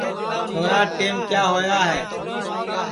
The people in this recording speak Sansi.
چھورا ٹیم کیا ہوا ہے